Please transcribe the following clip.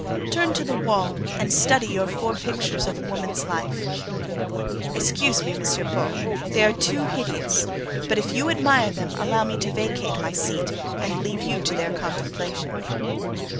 "Turn to the wall and study your four pictures of a woman's life." "Excuse me, M. Paul; they are too hideous: but if you admire them, allow me to vacate my seat and leave you to their contemplation."